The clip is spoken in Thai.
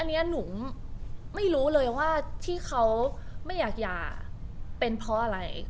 อันนี้หนูไม่รู้เลยว่าที่เขาไม่อยากหย่าเป็นเพราะอะไร